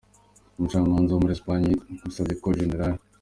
Umucamanza wo muri Espagne yasabye ko Gen.